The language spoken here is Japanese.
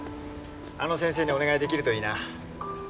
あの先生にお願い出来るといいな。